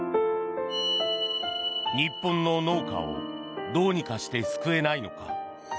日本の農家をどうにかして救えないのか。